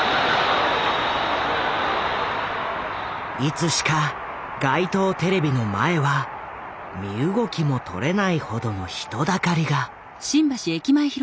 いつしか街頭テレビの前は身動きもとれないほどの人だかりが。